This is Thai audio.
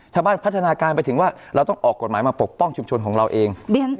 พัฒนาการไปถึงว่าเราต้องออกกฎหมายมาปกป้องชุมชนของเราเอง